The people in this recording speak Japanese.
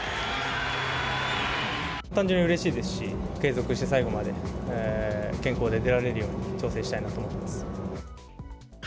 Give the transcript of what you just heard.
単純にうれしいですし、継続して最後まで健康で出られるように調整したいなと思います。